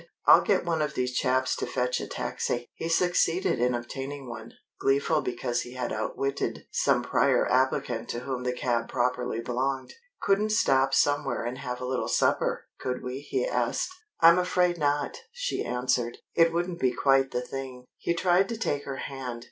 "I'll get one of these chaps to fetch a taxi." He succeeded in obtaining one, gleeful because he had outwitted some prior applicant to whom the cab properly belonged. "Couldn't stop somewhere and have a little supper, could we?" he asked. "I am afraid not," she answered. "It wouldn't be quite the thing." He tried to take her hand.